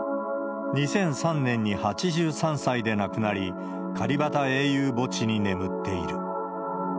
２００３年に８３歳で亡くなり、カリバタ英雄墓地に眠っている。